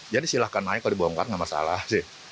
jadi silahkan naik kalau dibongkar nggak masalah sih